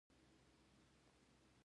ایا خوب ګډوډ وینئ؟